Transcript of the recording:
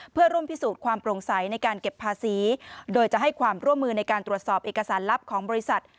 เพื่อร่วมพิสูจน์ความโปร่งใสในการเก็บภาษีโดยจะให้ความร่วมมือในการตรวจสอบเอกสารลับของบริษัท